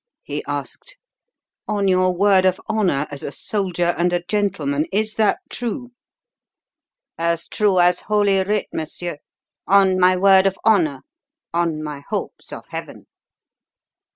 he asked. "On your word of honour as a soldier and a gentleman, is that true?" "As true as Holy Writ, monsieur. On my word of honour. On my hopes of heaven!"